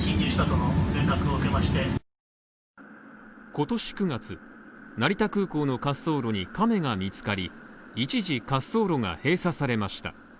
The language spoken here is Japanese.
今年９月、成田空港の滑走路に亀が見つかり一時滑走路が閉鎖されました。